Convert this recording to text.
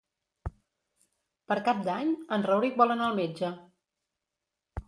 Per Cap d'Any en Rauric vol anar al metge.